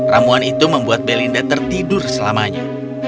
ramuan itu membuat belinda tertidur selamanya